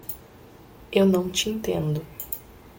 Eu não te entendo.